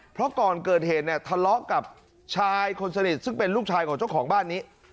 เพราะก่อนเกิดเหตุเนี่ยทะเลาะกับชายคนสนิทซึ่งเป็นลูกชายของเจ้าของบ้านนี้